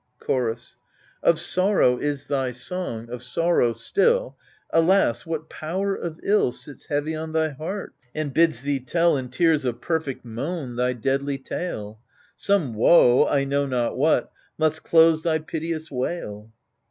Chorus Of sorrow is thy song, of sorrow still ! Alas, what power of ill Sits heavy on thy heart and bids thee tell In tears of perfect moan thy deadly tale ? Some woe — I know not what — must close thy piteous wail.